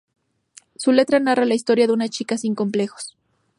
Su letra narra la historia de una chica sin complejos.